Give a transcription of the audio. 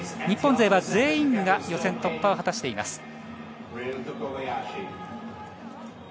日本勢は全員が予選突破を果たしています。